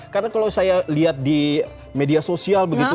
karena kalau saya lihat di media sosial begitu